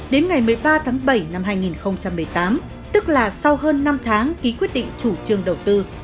đến ngày một mươi ba tháng bảy năm hai nghìn một mươi tám tức là sau hơn năm tháng ký quyết định chủ trương đầu tư